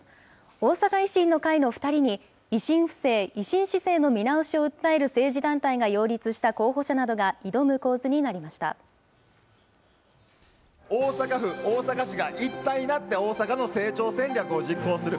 大阪維新の会の２人に、維新府政・維新市政の見直しを訴える政治団体が擁立した候補者な大阪府、大阪市が一体になって大阪の成長戦略を実行する。